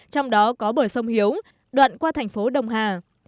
trong đó có bờ sông hiếu đoạn qua thành phố đồng hà